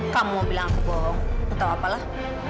kamu bilang aku bohong atau apalah